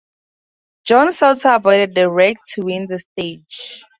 Johnny Sauter avoided the wrecks to win the stage.